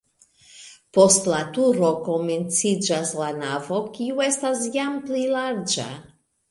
Post la turo komenciĝas la navo, kiu estas jam pli larĝa.